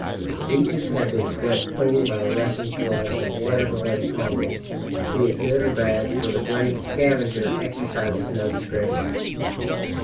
The beaches have been swept clean by the rushing flood, of whatever lay upon them, be it good or bad, for the great scavenger exercises no discretion.